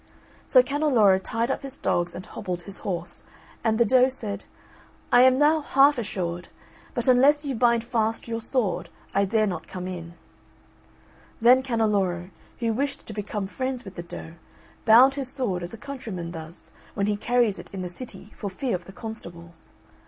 So Canneloro tied up his dogs and hobbled his horse, and the doe said, "I am now half assured, but unless you bind fast your sword, I dare not come in." Then Canneloro, who wished to become friends with the doe, bound his sword as a countryman does, when he carries it in the city for fear of the constables.